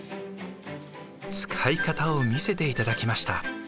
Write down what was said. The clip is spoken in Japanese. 使い方を見せていただきました。